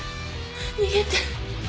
逃げて。